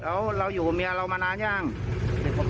แล้วเราอยู่กับเมียเรามานานยัง